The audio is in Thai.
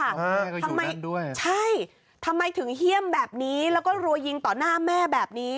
อ้าก็อยู่ด้านด้วยใช่ทำไมถึงเฮี่ยมแบบนี้แล้วก็รัวยิงต่อหน้าแม่แบบนี้